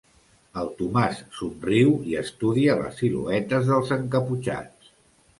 El Tomàs somriu i estudia les siluetes dels encaputxats.